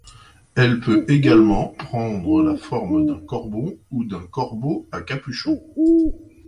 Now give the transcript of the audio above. Elle peut également prendre la forme d'un corbeau ou d'un corbeau à capuchon.